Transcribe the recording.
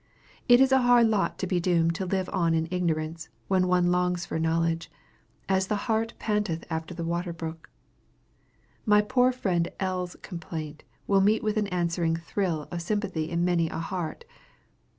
It is a hard lot to be doomed to live on in ignorance, when one longs for knowledge, "as the hart panteth after the water brook." My poor friend L.'s complaint will meet an answering thrill of sympathy in many a heart.